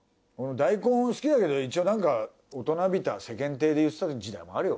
大根好きだけどなんか大人びた世間体で言ってた時代もあるよ